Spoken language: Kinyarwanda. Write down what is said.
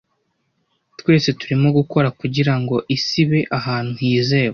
Twese turimo gukora kugirango isi ibe ahantu hizewe.